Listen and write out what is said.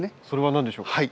それは何でしょう？